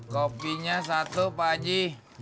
kopinya satu pak haji